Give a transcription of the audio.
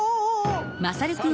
まさるくん！？